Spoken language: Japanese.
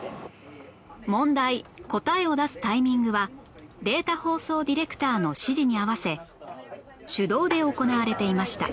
問題答えを出すタイミングはデータ放送ディレクターの指示に合わせ手動で行われていました